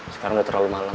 sekarang udah terlalu malem